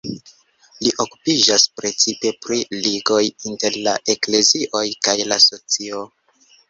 Li okupiĝas precipe pri ligoj inter la eklezioj kaj la socio.